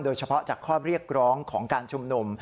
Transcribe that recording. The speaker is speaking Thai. เฉพาะจากข้อเรียกร้องของการชุมนุม